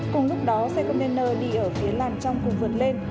cùng lúc đó xe container đi ở phía làn trong vùng vượt lên